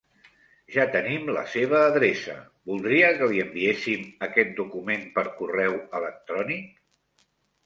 Ja tenim la seva adreça, voldria que li enviéssim aquest document per correu electrònic?